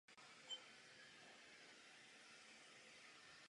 Opakuji, vznikly již za Bourguiby.